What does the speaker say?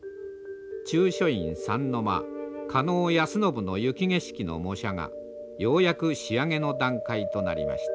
中書院三の間狩野安信の雪景色の模写がようやく仕上げの段階となりました。